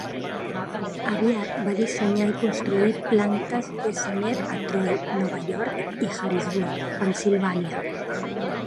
Aviat va dissenyar i construir plantes Bessemer a Troy, Nova York, i Harrisburg, Pennsilvània.